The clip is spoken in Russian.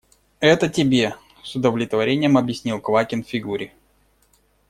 Это тебе, – с удовлетворением объяснил Квакин Фигуре.